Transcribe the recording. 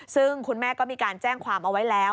ซึ่งคุณแม่ก็มีการแจ้งความเอาไว้แล้ว